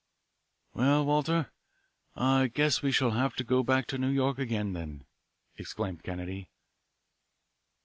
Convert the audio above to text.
"Well, Walter, I guess we shall have to go back to New York again, then," exclaimed Kennedy.